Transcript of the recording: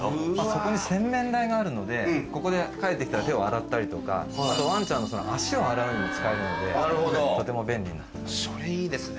そこに洗面台があるのでここで帰って来たら手を洗ったりとかあとワンちゃんの足を洗うのに使えるのでとても便利になってます。